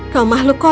kau makhluk kotor